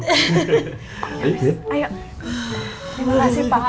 terima kasih banget